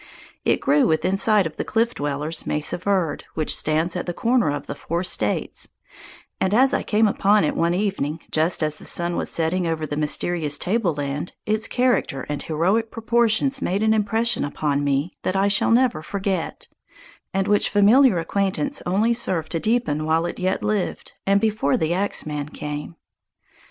It grew within sight of the Cliff Dwellers' Mesa Verde, which stands at the corner of four States, and as I came upon it one evening just as the sun was setting over that mysterious tableland, its character and heroic proportions made an impression upon me that I shall never forget, and which familiar acquaintance only served to deepen while it yet lived and before the axeman came.